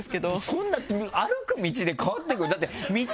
そんな歩く道で変わってくる？だって。